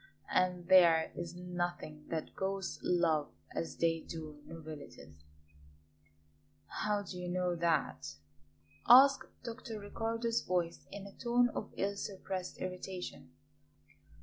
And there is nothing that ghosts love as they do novelties " "How do you know that?" asked Dr. Riccardo's voice in a tone of ill suppressed irritation.